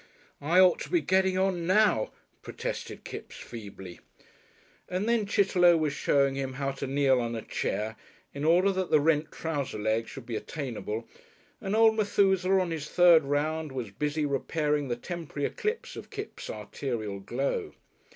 "I ought to be getting on now," protested Kipps feebly, and then Chitterlow was showing him how to kneel on a chair in order that the rent trouser leg should be attainable and old Methusaleh on his third round was busy repairing the temporary eclipse of Kipps' arterial glow.